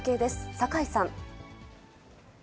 酒井さん。